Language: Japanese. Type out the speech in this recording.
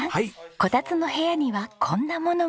こたつの部屋にはこんなものも。